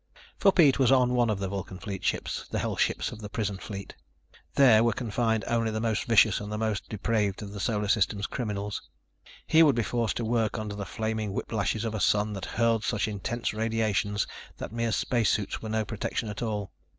For Pete was on one of the Vulcan Fleet ships, the hell ships of the prison fleet. There were confined only the most vicious and the most depraved of the Solar System's criminals. He would be forced to work under the flaming whip lashes of a Sun that hurled such intense radiations that mere spacesuits were no protection at all.